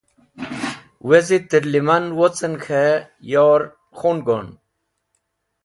Wezit tẽrleman wocẽn k̃hẽ yor khun gon